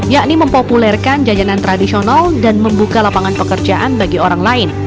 yakni mempopulerkan jajanan tradisional dan membuka lapangan pekerjaan bagi orang lain